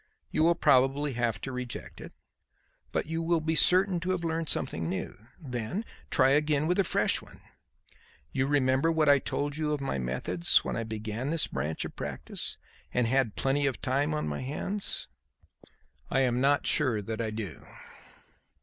You will probably have to reject it, but you will be certain to have learned something new. Then try again with a fresh one. You remember what I told you of my methods when I began this branch of practice and had plenty of time on my hands?" "I am not sure that I do."